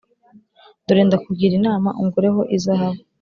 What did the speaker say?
Dore ndakugira inama ungureho izahabu